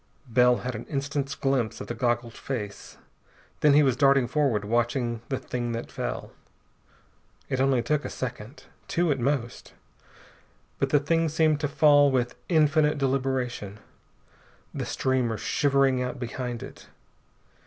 Bell had an instant's glimpse of the goggled face. Then he was darting forward, watching the thing that fell. It took only a second. Two at most. But the thing seemed to fall with infinite deliberation, the streamer shivering out behind it.